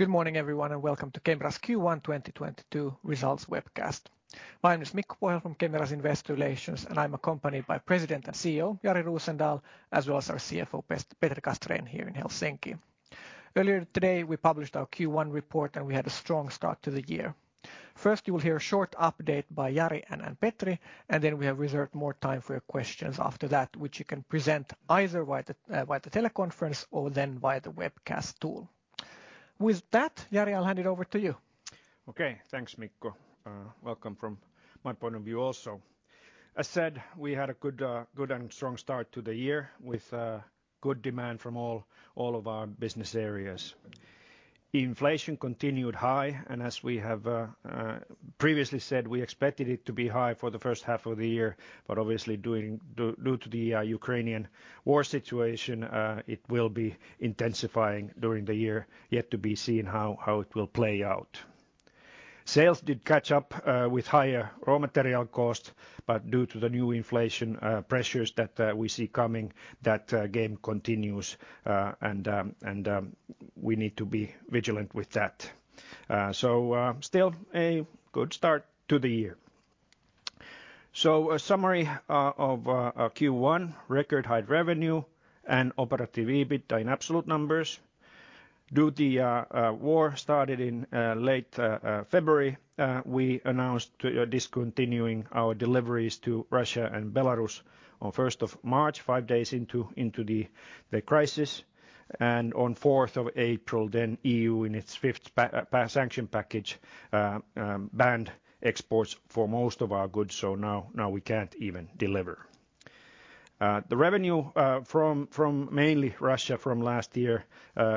Good morning, everyone, and welcome to Kemira's Q1 2022 results webcast. My name is Mikko Pohjala from Kemira's Investor Relations, and I'm accompanied by President and CEO Jari Rosendal, as well as our CFO Petri Castrén here in Helsinki. Earlier today, we published our Q1 report and we had a strong start to the year. First, you will hear a short update by Jari and Petri, and then we have reserved more time for your questions after that, which you can present either via the teleconference, or then via the webcast tool. With that, Jari, I'll hand it over to you. Okay. Thanks, Mikko. Welcome from my point of view also. As said, we had a good and strong start to the year with good demand from all of our business areas. Inflation continued high and as we have previously said, we expected it to be high for the first half of the year, but obviously due to the Ukrainian war situation, it will be intensifying during the year. Yet to be seen how it will play out. Sales did catch up with higher raw material costs, but due to the new inflation pressures that we see coming, that game continues. We need to be vigilant with that. Still a good start to the year. A summary of Q1. Record-high revenue and operative EBIT in absolute numbers. Due to the war started in late February, we announced discontinuing our deliveries to Russia and Belarus on 1st of March, five days into the crisis. On fourth of April, EU in its fifth sanction package banned exports for most of our goods, so now we can't even deliver. The revenue from mainly Russia from last year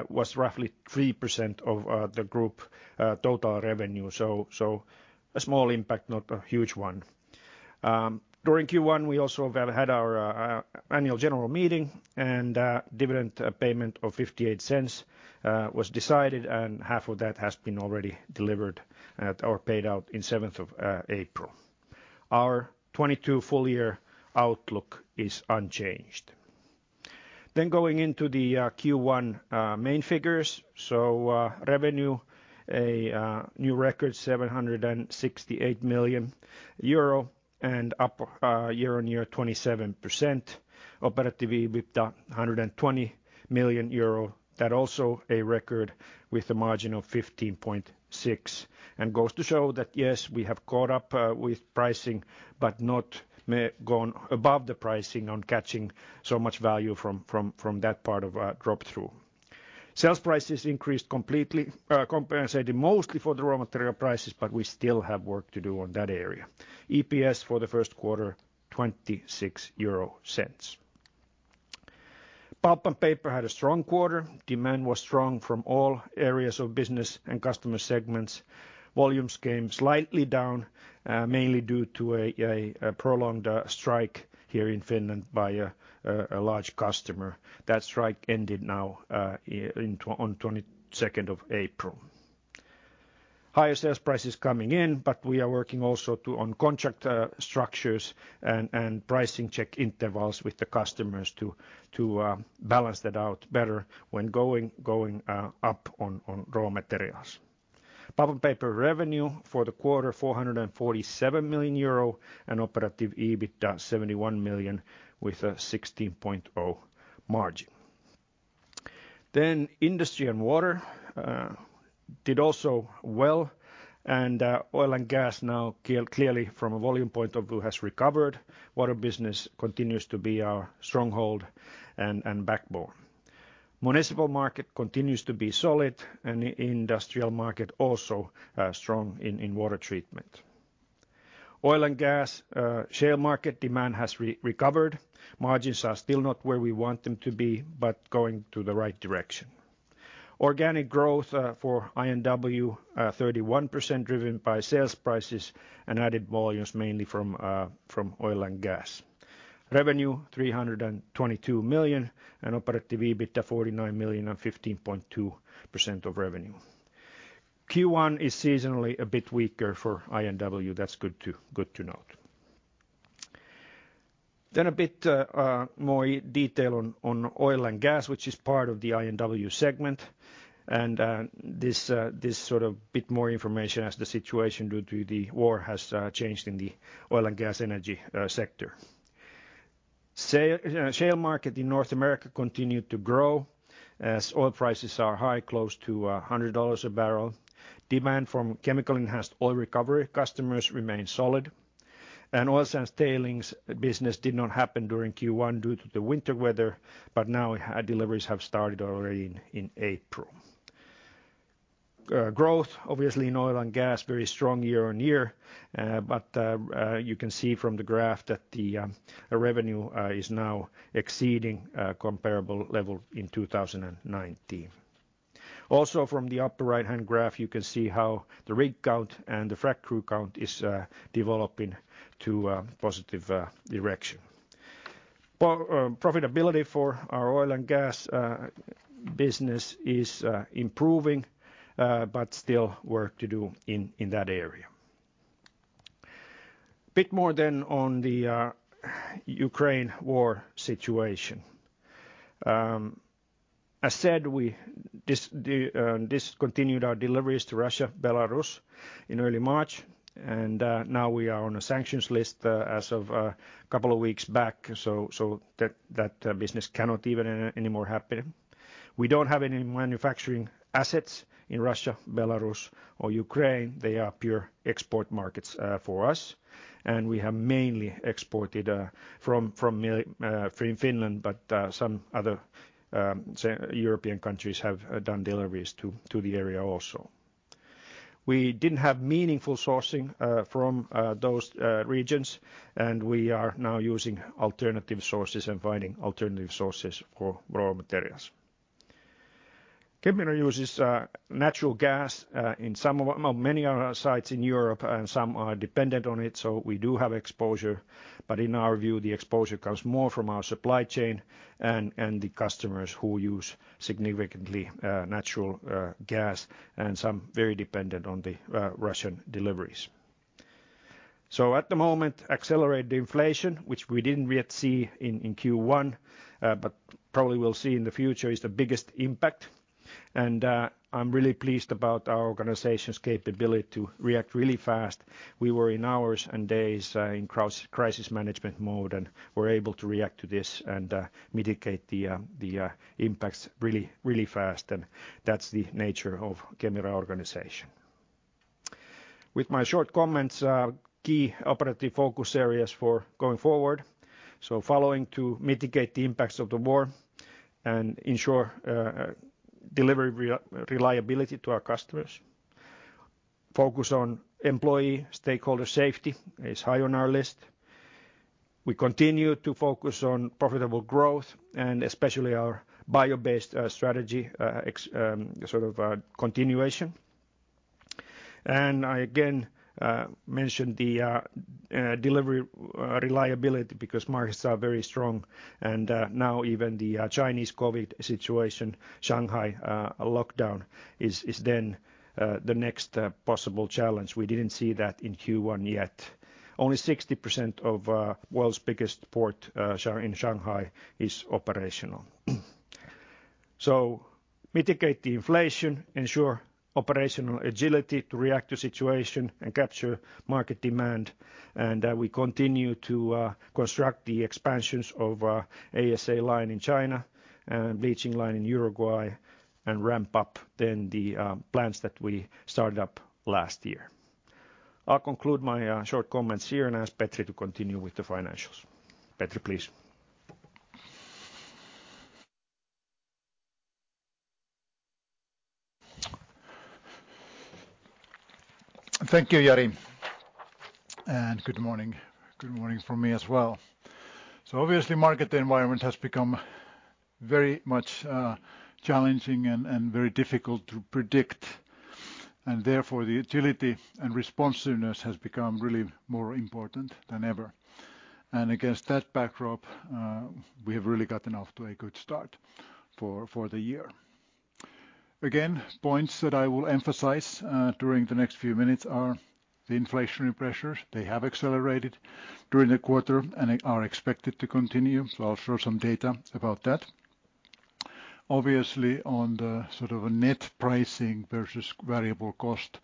was roughly 3% of the group total revenue, so a small impact, not a huge one. During Q1, we also well had our annual general meeting and dividend payment of 0.58 EUR was decided, and half of that has been already delivered or paid out on seventh of April. Our 2022 full year outlook is unchanged. Going into the Q1 main figures. Revenue, a new record 768 million euro and up year-on-year 27%. Operative EBITDA 120 million euro. That also a record with a margin of 15.6%, and goes to show that, yes, we have caught up with pricing, but not gone above the pricing on catching so much value from that part of our drop-through. Sales prices increased completely compensating mostly for the raw material prices, but we still have work to do on that area. EPS for the first quarter, 0.26 EUR. Pulp and Paper had a strong quarter. Demand was strong from all areas of business and customer segments. Volumes came slightly down, mainly due to a prolonged strike here in Finland by a large customer. That strike ended now on twenty second of April. Higher sales prices coming in, but we are working also, too, on contract structures and pricing check intervals with the customers to balance that out better when going up on raw materials. Pulp and Paper revenue for the quarter, 447 million euro, and operative EBITDA 71 million with a 16% margin. Industry & Water did also well, and Oil & Gas now clearly from a volume point of view has recovered. Water business continues to be our stronghold and backbone. Municipal market continues to be solid, and the industrial market also strong in water treatment. Oil and gas share market demand has recovered. Margins are still not where we want them to be, but going to the right direction. Organic growth for I&W 31% driven by sales prices and added volumes mainly from oil and gas. Revenue 322 million, and operative EBITDA 49 million on 15.2% of revenue. Q1 is seasonally a bit weaker for I&W. That's good to note. A bit more detail on oil and gas, which is part of the I&W segment, and this sort of bit more information as the situation due to the war has changed in the oil and gas energy sector. Shale market in North America continued to grow as oil prices are high, close to $100 a barrel. Demand from chemical enhanced oil recovery customers remained solid. Oil sands tailings business did not happen during Q1 due to the winter weather, but now deliveries have started already in April. Growth obviously in oil and gas, very strong year-on-year. You can see from the graph that revenue is now exceeding a comparable level in 2019. Also, from the upper right-hand graph, you can see how the rig count and the frac crew count is developing to a positive direction. Profitability for our oil and gas business is improving, but still work to do in that area. A bit more then on the Ukraine war situation. I said we discontinued our deliveries to Russia, Belarus in early March, and now we are on a sanctions list as of a couple of weeks back. So that business cannot even anymore happen. We don't have any manufacturing assets in Russia, Belarus or Ukraine. They are pure export markets for us. We have mainly exported from Finland but some other European countries have done deliveries to the area also. We didn't have meaningful sourcing from those regions, and we are now using alternative sources and finding alternative sources for raw materials. Kemira uses natural gas in many of our sites in Europe, and some are dependent on it, so we do have exposure. In our view, the exposure comes more from our supply chain and the customers who use significant natural gas, and some very dependent on the Russian deliveries. At the moment, accelerated inflation, which we didn't yet see in Q1, but probably we'll see in the future, is the biggest impact. I'm really pleased about our organization's capability to react really fast. We were in hours and days in crisis management mode, and we're able to react to this and mitigate the impacts really fast. That's the nature of Kemira organization. With my short comments, key operative focus areas for going forward, following to mitigate the impacts of the war and ensure delivery reliability to our customers. Focus on employee, stakeholder safety is high on our list. We continue to focus on profitable growth and especially our bio-based strategy execution sort of continuation. I again mention the delivery reliability because markets are very strong and now even the Chinese COVID situation, Shanghai lockdown is then the next possible challenge. We didn't see that in Q1 yet. Only 60% of world's biggest port in Shanghai is operational. Mitigate the inflation, ensure operational agility to react to situation and capture market demand. We continue to construct the expansions of ASA line in China and bleaching line in Uruguay and ramp up then the plants that we started up last year. I'll conclude my short comments here and ask Petri to continue with the financials. Petri, please. Thank you, Jari Rosendal, and good morning. Good morning from me as well. Obviously market environment has become very much challenging and very difficult to predict, and therefore the agility and responsiveness has become really more important than ever. Against that backdrop, we have really gotten off to a good start for the year. Again, points that I will emphasize during the next few minutes are the inflationary pressures. They have accelerated during the quarter and are expected to continue. I'll show some data about that. Obviously on the sort of a net pricing versus variable cost,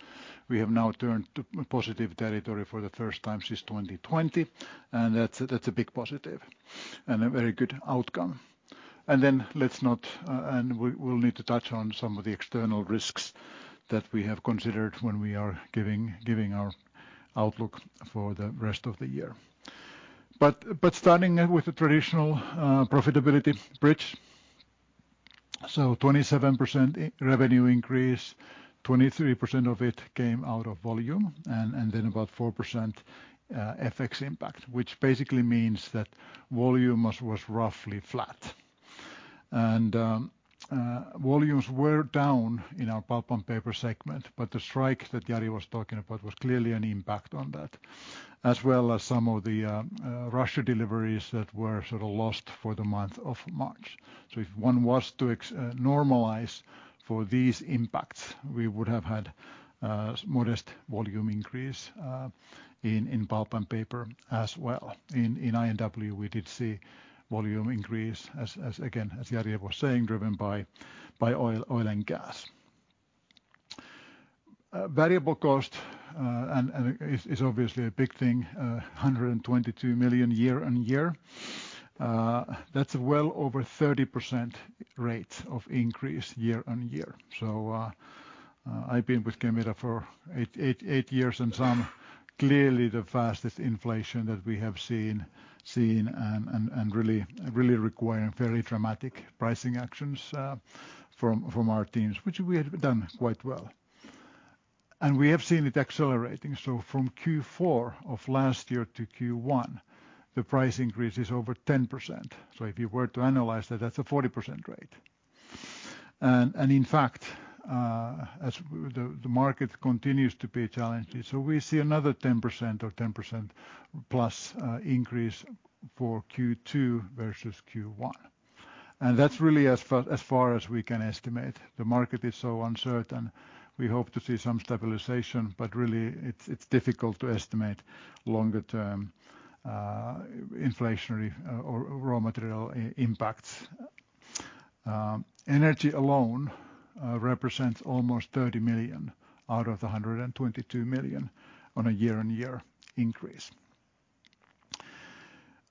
we have now turned to positive territory for the first time since 2020 and that's a big positive and a very good outcome. We'll need to touch on some of the external risks that we have considered when we are giving our outlook for the rest of the year. Starting with the traditional profitability bridge. 27% revenue increase, 23% of it came out of volume and then about 4% FX impact, which basically means that volume was roughly flat. Volumes were down in our Pulp and Paper segment, but the strike that Jari was talking about was clearly an impact on that, as well as some of the Russia deliveries that were sort of lost for the month of March. If one was to normalize for these impacts, we would have had modest volume increase in Pulp and Paper as well. In I&W, we did see volume increase as again, as Jari was saying, driven by oil and gas. Variable cost and is obviously a big thing, 122 million year-on-year. That's well over 30% rate of increase year-on-year. I've been with Kemira for eight years and some, clearly the fastest inflation that we have seen and really requiring fairly dramatic pricing actions from our teams, which we have done quite well. We have seen it accelerating. From Q4 of last year to Q1, the price increase is over 10%. If you were to analyze that's a 40% rate. In fact, as the market continues to be challenging, we see another 10% or 10%+ increase for Q2 versus Q1. That's really as far as we can estimate. The market is so uncertain. We hope to see some stabilization, but really, it's difficult to estimate longer-term inflationary or raw material impact. Energy alone represents almost 30 million out of the 122 million on a year-on-year increase.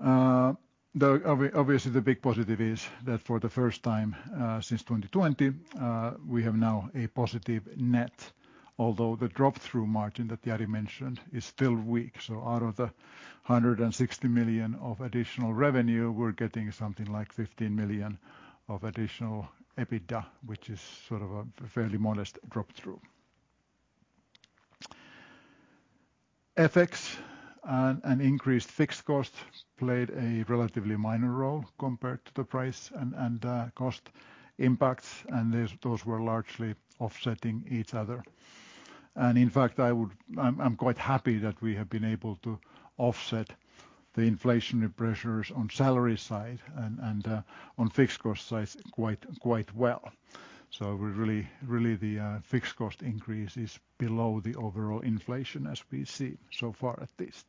Obviously, the big positive is that for the first time since 2020, we have now a positive net, although the drop-through margin that Jari mentioned is still weak. Out of the 160 million of additional revenue, we're getting something like 15 million of additional EBITDA, which is sort of a fairly modest drop-through. FX and increased fixed costs played a relatively minor role compared to the price and cost impacts, and those were largely offsetting each other. In fact, I'm quite happy that we have been able to offset the inflationary pressures on salary side and on fixed cost side quite well. Really, the fixed cost increase is below the overall inflation as we see so far at least.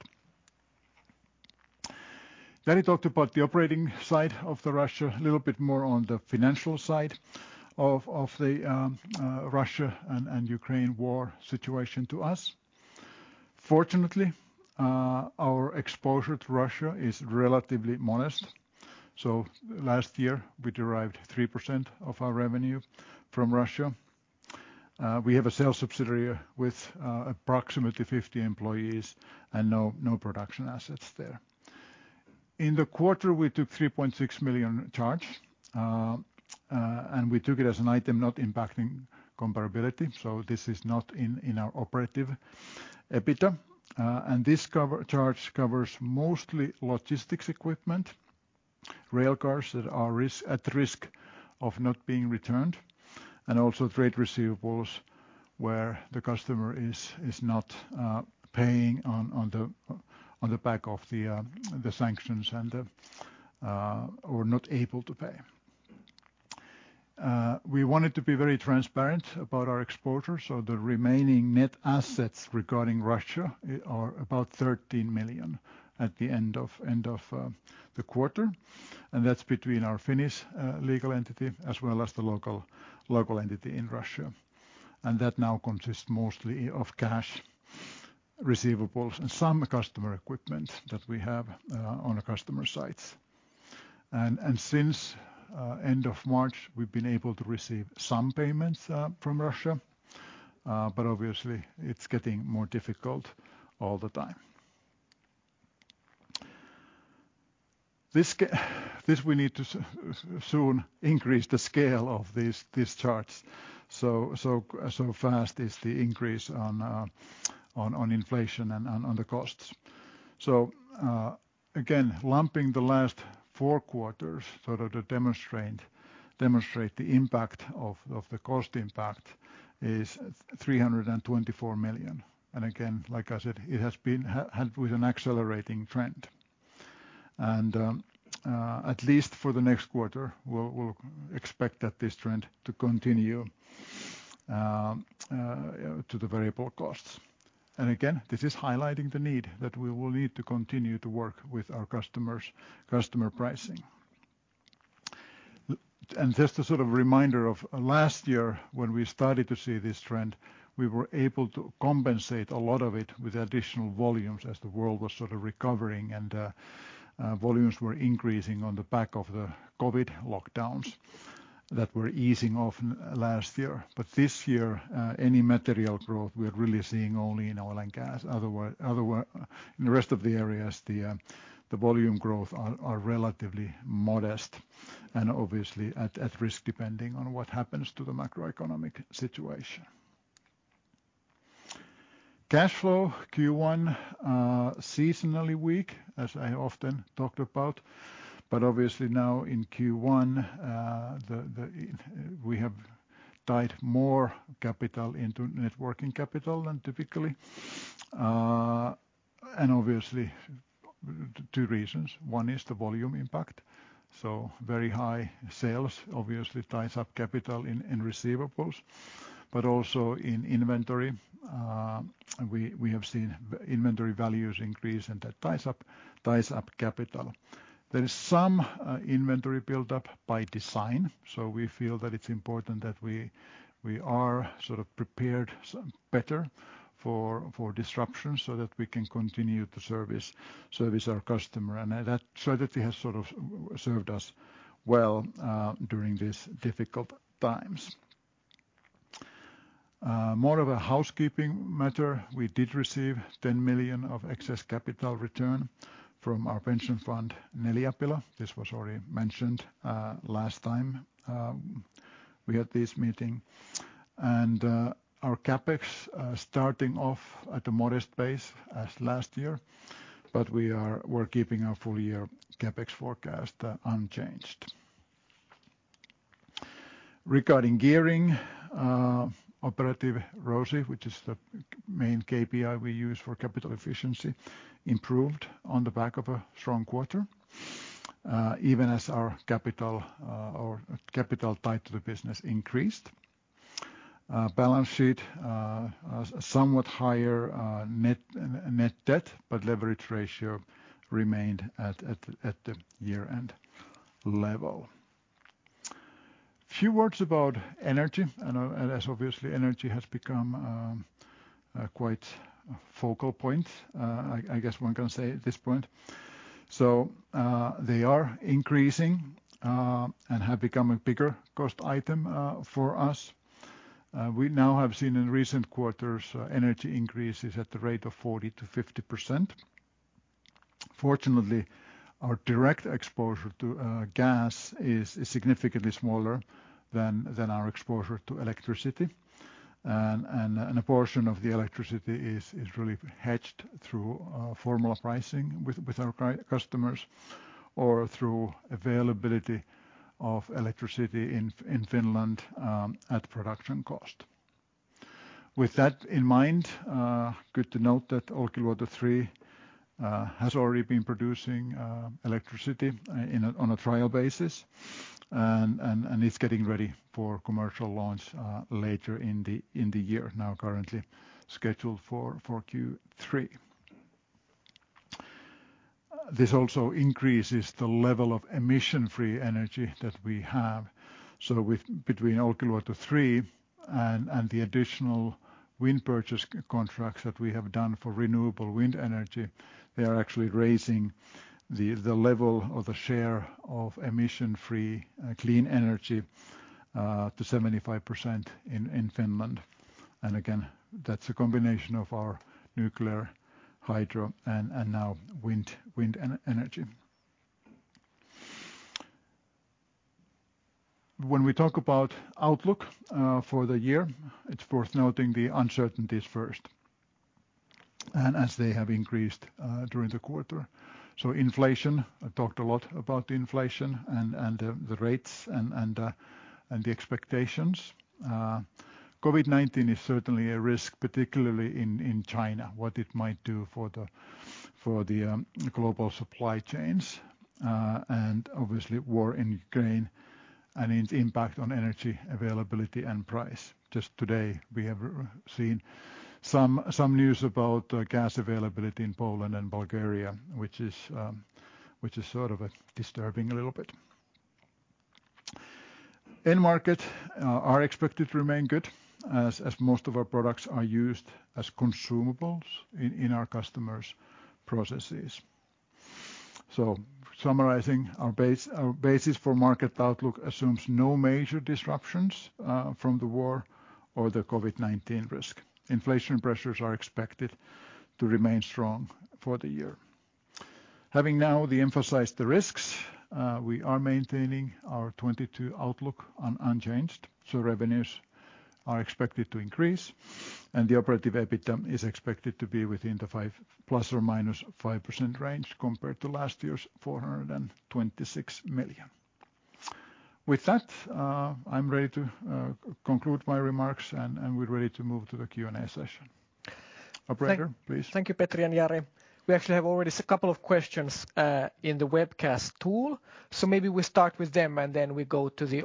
We talked about the operating side of the Russia, a little bit more on the financial side of the Russia and Ukraine war situation to us. Fortunately, our exposure to Russia is relatively modest. Last year we derived 3% of our revenue from Russia. We have a sales subsidiary with approximately 50 employees and no production assets there. In the quarter, we took a 3.6 million charge, and we took it as an item not impacting comparability, so this is not in our operative EBITDA. This charge covers mostly logistics equipment, rail cars that are at risk of not being returned, and also trade receivables where the customer is not paying on the back of the sanctions or not able to pay. We wanted to be very transparent about our exposure, so the remaining net assets regarding Russia are about 13 million at the end of the quarter, and that's between our Finnish legal entity as well as the local entity in Russia. That now consists mostly of cash receivables and some customer equipment that we have on customer sites. Since end of March, we've been able to receive some payments from Russia, but obviously it's getting more difficult all the time. We need to soon increase the scale of these charts, so fast is the increase in inflation and in the costs. Again, lumping the last four quarters sort of to demonstrate the impact of the cost impact is 324 million. Again, like I said, it has had an accelerating trend. At least for the next quarter, we'll expect that this trend to continue in the variable costs. Again, this is highlighting the need that we will need to continue to work with our customers on pricing. Just a sort of reminder of last year when we started to see this trend, we were able to compensate a lot of it with additional volumes as the world was sort of recovering and volumes were increasing on the back of the COVID lockdowns that were easing off last year. This year, any material growth we're really seeing only in oil and gas. In the rest of the areas, the volume growth are relatively modest and obviously at risk depending on what happens to the macroeconomic situation. Cash flow, Q1, seasonally weak, as I often talked about, but obviously now in Q1, we have tied more capital into net working capital than typically. Obviously two reasons. One is the volume impact. Very high sales obviously ties up capital in receivables, but also in inventory. We have seen inventory values increase, and that ties up capital. There is some inventory build-up by design, so we feel that it's important that we are sort of prepared better for disruptions so that we can continue to service our customer. That strategy has sort of served us well during these difficult times. More of a housekeeping matter, we did receive 10 million of excess capital return from our pension fund, Neliapila. This was already mentioned last time we had this meeting. Our CapEx starting off at a modest pace as last year, but we're keeping our full-year CapEx forecast unchanged. Regarding gearing, operative ROCE, which is the main KPI we use for capital efficiency, improved on the back of a strong quarter, even as our capital or capital tied to the business increased. Balance sheet, a somewhat higher net debt, but leverage ratio remained at the year-end level. Few words about energy as obviously energy has become a quite focal point, I guess one can say at this point. They are increasing and have become a bigger cost item for us. We now have seen in recent quarters energy increases at the rate of 40%-50%. Fortunately, our direct exposure to gas is significantly smaller than our exposure to electricity. A portion of the electricity is really hedged through formula pricing with our customers or through availability of electricity in Finland at production cost. With that in mind, good to note that Olkiluoto 3 has already been producing electricity on a trial basis. It's getting ready for commercial launch later in the year, now currently scheduled for Q3. This also increases the level of emission-free energy that we have. With between Olkiluoto 3 and the additional wind purchase contracts that we have done for renewable wind energy, they are actually raising the level of the share of emission-free clean energy to 75% in Finland. Again, that's a combination of our nuclear, hydro and now wind energy. When we talk about outlook for the year, it's worth noting the uncertainties first. As they have increased during the quarter. Inflation, I talked a lot about inflation and the rates and the expectations. COVID-19 is certainly a risk, particularly in China, what it might do for the global supply chains. And obviously war in Ukraine and its impact on energy availability and price. Just today we have seen some news about gas availability in Poland and Bulgaria, which is sort of disturbing a little bit. End markets are expected to remain good as most of our products are used as consumables in our customers' processes. Summarizing our basis for market outlook assumes no major disruptions from the war or the COVID-19 risk. Inflation pressures are expected to remain strong for the year. Having now emphasized the risks, we are maintaining our 2022 outlook unchanged, so revenues are expected to increase and the operative EBITDA is expected to be within the 5 ± 5% range compared to last year's 426 million. With that, I'm ready to conclude my remarks, and we're ready to move to the Q&A session. Operator, please. Thank you, Petri and Jari. We actually have already a couple of questions in the webcast tool. Maybe we start with them and then we go to the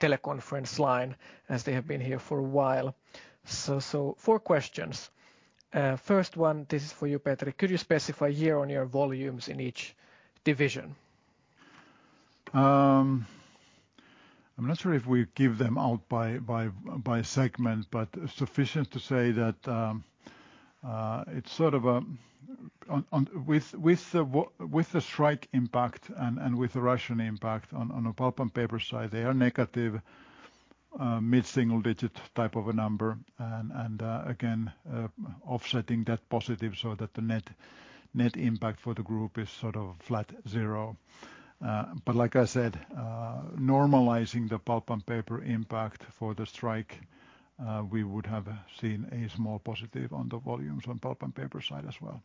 teleconference line, as they have been here for a while. Four questions. First one, this is for you, Petri. Could you specify year-on-year volumes in each division? I'm not sure if we give them out by segment, but sufficient to say that it's sort of on with the strike impact and with the Russian impact on a Pulp and Paper side, they are negative mid-single-digit type of a number. Again, offsetting that positive so that the net impact for the group is sort of flat zero. Like I said, normalizing the Pulp and Paper impact for the strike, we would have seen a small positive on the volumes on Pulp and Paper side as well.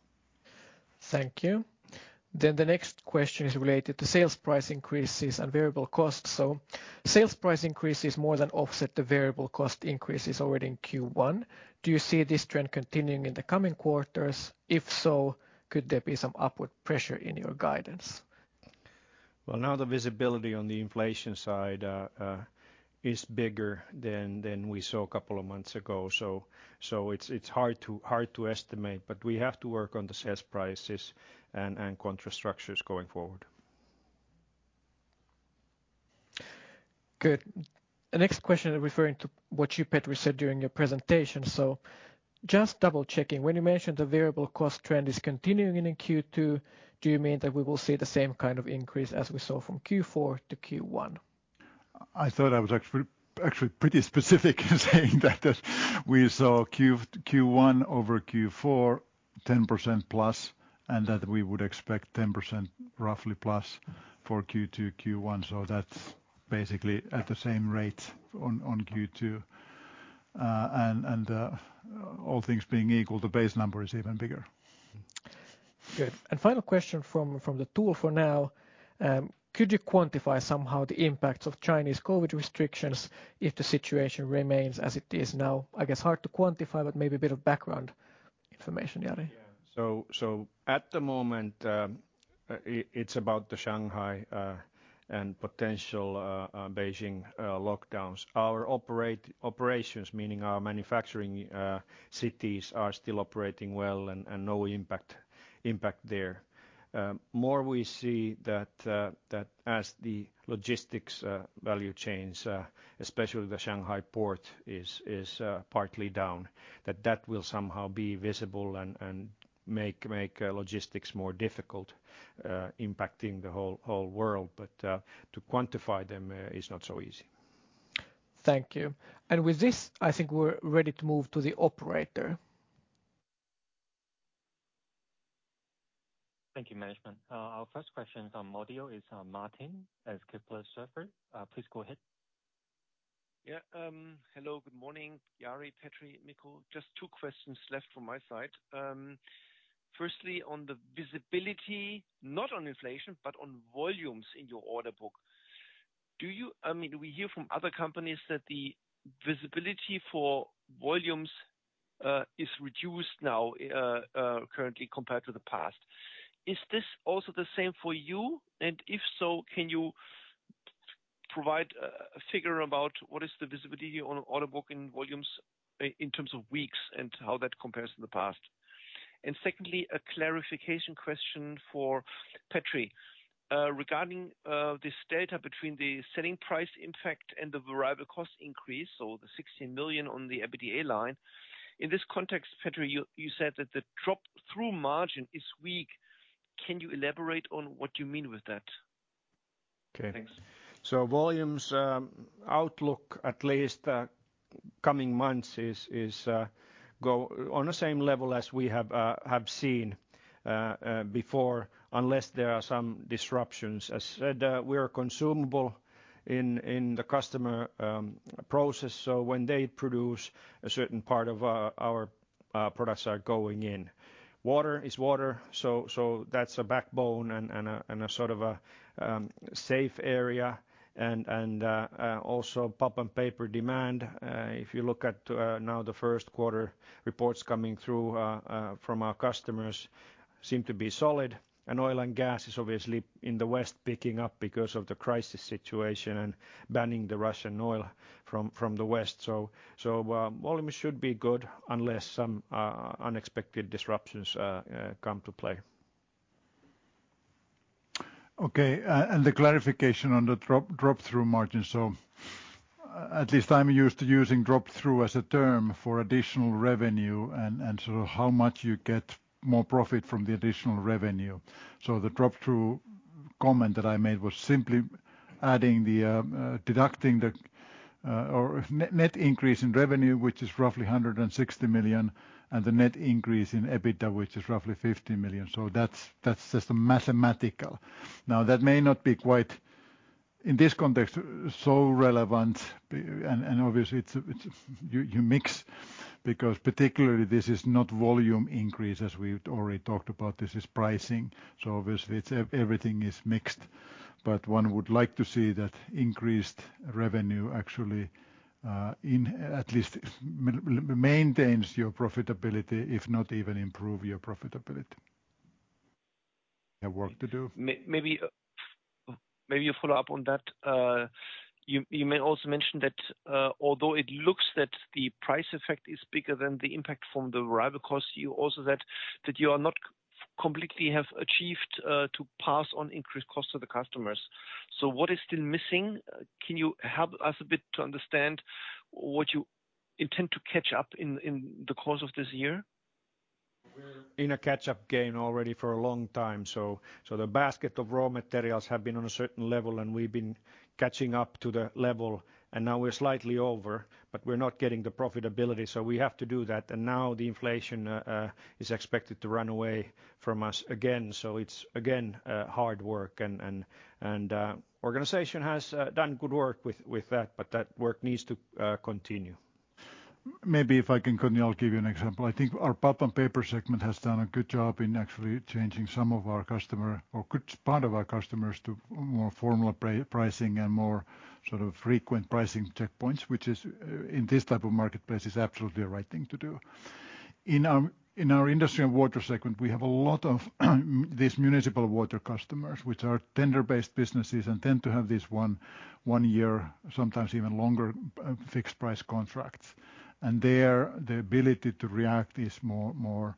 Thank you. The next question is related to sales price increases and variable costs. Sales price increases more than offset the variable cost increases already in Q1. Do you see this trend continuing in the coming quarters? If so, could there be some upward pressure in your guidance? Well, now the visibility on the inflation side is bigger than we saw a couple of months ago. It's hard to estimate, but we have to work on the sales prices and contract structures going forward. Good. The next question referring to what you, Petri, said during your presentation. Just double-checking, when you mentioned the variable cost trend is continuing into Q2, do you mean that we will see the same kind of increase as we saw from Q4 to Q1? I thought I was actually pretty specific in saying that we saw Q1 over Q4 10%+, and that we would expect roughly 10%+ for Q2 over Q1, so that's basically at the same rate on Q2. All things being equal, the base number is even bigger. Good. Final question from the tool for now, could you quantify somehow the impact of Chinese COVID-19 restrictions if the situation remains as it is now? I guess hard to quantify, but maybe a bit of background information, Jari. Yeah. At the moment, it's about the Shanghai and potential Beijing lockdowns. Our operations, meaning our manufacturing cities, are still operating well and no impact there. More we see that as the logistics value chains, especially the Shanghai port is partly down. That will somehow be visible and make logistics more difficult, impacting the whole world. To quantify them is not so easy. Thank you. With this, I think we're ready to move to the operator. Thank you, management. Our first question is from Martin at Kepler Cheuvreux. Please go ahead. Hello, good morning, Jari, Petri, Mikko. Just two questions left from my side. Firstly on the visibility, not on inflation, but on volumes in your order book. I mean, do we hear from other companies that the visibility for volumes is reduced now, currently compared to the past? Is this also the same for you? If so, can you provide a figure about what is the visibility on order book volumes in terms of weeks and how that compares to the past? Secondly, a clarification question for Petri. Regarding this delta between the selling price impact and the variable cost increase, so the 16 million on the EBITDA line. In this context, Petri, you said that the drop-through margin is weak. Can you elaborate on what you mean with that? Okay. Thanks. Volumes outlook at least coming months is go on the same level as we have seen before unless there are some disruptions. As said, we are consumable in the customer process. When they produce, a certain part of our products are going in. Water is water, so that's a backbone and a sort of a safe area and also Pulp and Paper demand. If you look at now the first quarter reports coming through from our customers seem to be solid. Oil and gas is obviously in the West picking up because of the crisis situation and banning the Russian oil from the West. Volumes should be good unless some unexpected disruptions come to play. Okay. The clarification on the drop-through margin. At least I'm used to using drop-through as a term for additional revenue and how much you get more profit from the additional revenue. The drop-through comment that I made was simply the net increase in revenue, which is roughly 160 million, and the net increase in EBITDA, which is roughly 50 million. That's just a mathematical. Now, that may not be quite in this context so relevant. Obviously it's a mix because particularly this is not volume increase as we've already talked about, this is pricing. Obviously it's everything is mixed. One would like to see that increased revenue actually it at least maintains your profitability if not even improve your profitability. Have work to do. Maybe a follow-up on that. You may also mention that, although it looks that the price effect is bigger than the impact from the raw material cost, you also said that you have not completely achieved to pass on increased costs to the customers. What is still missing? Can you help us a bit to understand what you intend to catch up in the course of this year? We're in a catch-up game already for a long time. The basket of raw materials have been on a certain level, and we've been catching up to the level, and now we're slightly over, but we're not getting the profitability. We have to do that. Now the inflation is expected to run away from us again. It's again hard work and organization has done good work with that, but that work needs to continue. Maybe if I can continue, I'll give you an example. I think our Pulp and Paper segment has done a good job in actually changing some of our customer or good part of our customers to more formula pricing and more sort of frequent pricing checkpoints, which, in this type of marketplace, is absolutely the right thing to do. In our Industry and Water segment, we have a lot of these municipal water customers, which are tender-based businesses and tend to have these one year, sometimes even longer, fixed price contracts. There, the ability to react is slower.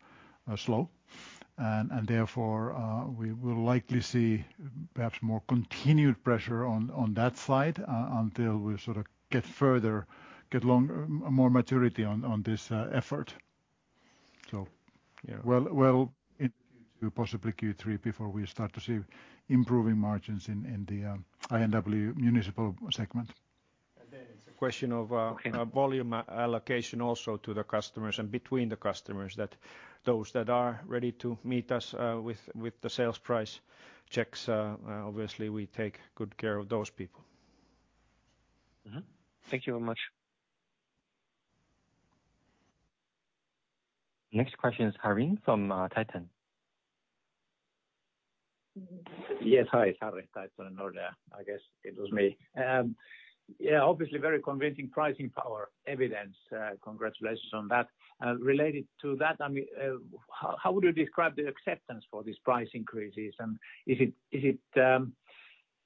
Therefore, we will likely see perhaps more continued pressure on that side until we sort of get more maturity on this effort. Yeah. Well into possibly Q3 before we start to see improving margins in the INW municipal segment. It's a question of. Okay. Volume allocation also to the customers and between the customers, those that are ready to meet us with the sales price checks. Obviously we take good care of those people. Mm-hmm. Thank you very much. Next question is Harri from Titan. Yes. Hi, Harri Eronen in order. I guess it was me. Yeah, obviously very convincing pricing power evidence. Congratulations on that. Related to that, I mean, how would you describe the acceptance for these price increases? Is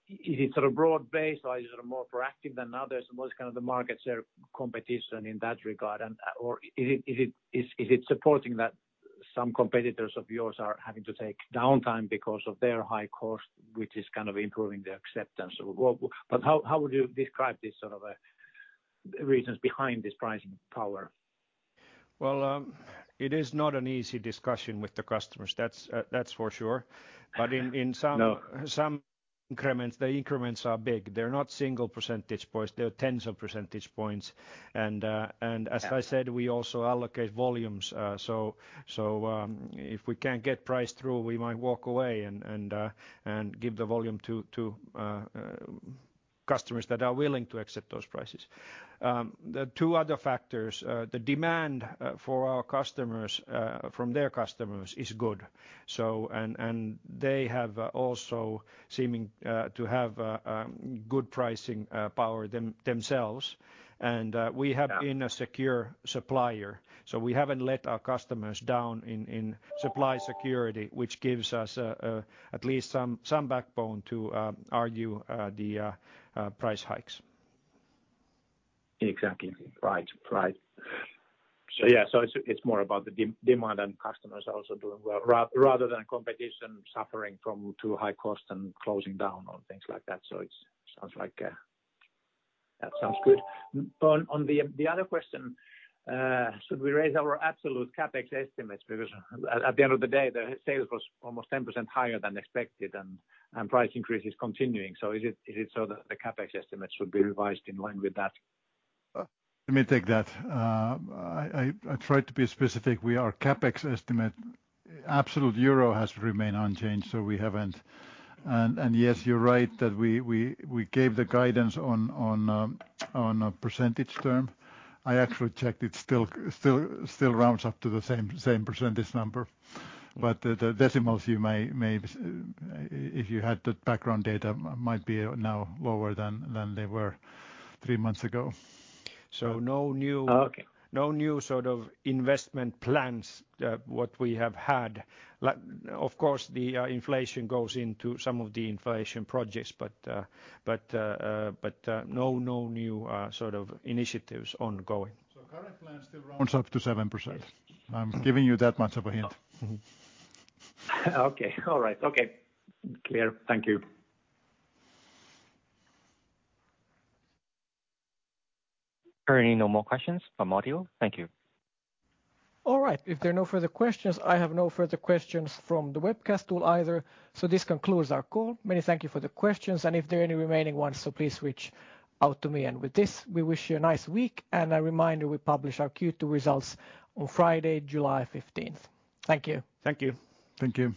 it sort of broad-based or is it more proactive than others? What's kind of the markets or competition in that regard? Or is it supporting that some competitors of yours are having to take downtime because of their high cost, which is kind of improving the acceptance? How would you describe this sort of reasons behind this pricing power? Well, it is not an easy discussion with the customers, that's for sure. In some- No some increments, the increments are big. They're not single percentage points, they're tens of percentage points. As I said, we also allocate volumes. So, if we can't get price through, we might walk away and give the volume to customers that are willing to accept those prices. The two other factors, the demand for our customers from their customers is good. They have also seemed to have good pricing power themselves. We have been. Yeah a secure supplier, so we haven't let our customers down in supply security, which gives us at least some backbone to argue the price hikes. Exactly. Right. Yeah, it's more about the demand and customers also doing well, rather than competition suffering from too high cost and closing down on things like that. It sounds like that sounds good. On the other question, should we raise our absolute CapEx estimates? Because at the end of the day, the sales was almost 10% higher than expected and price increase is continuing. Is it so that the CapEx estimates should be revised in line with that? Let me take that. I tried to be specific. Our CapEx estimate. Absolute euro has remained unchanged, so we haven't. Yes, you're right that we gave the guidance on a percentage term. I actually checked it still rounds up to the same percentage number. But the decimals you may, if you had the background data, might be now lower than they were three months ago. No new. Okay No new sort of investment plans, what we have had. Like of course the inflation goes into some of the inflation projects, but no new sort of initiatives ongoing. Current plans still rounds up to 7%. I'm giving you that much of a hint. Mm-hmm. Okay. All right. Okay. Clear. Thank you. Hearing no more questions from audio. Thank you. All right. If there are no further questions, I have no further questions from the webcast tool either. This concludes our call. Many thanks for the questions. If there are any remaining ones, so please reach out to me. With this we wish you a nice week. A reminder, we publish our Q2 results on Friday, July fifteenth. Thank you. Thank you. Thank you.